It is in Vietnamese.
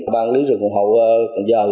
ban lý rừng phòng hộ cần giờ